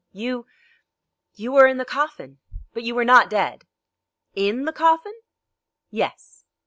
"You you were in the coffin; but you were not dead." "In the coffin?" "Yes."